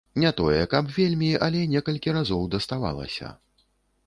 Не тое, каб вельмі, але некалькі разоў даставалася.